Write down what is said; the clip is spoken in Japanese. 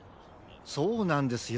そうなんですよ。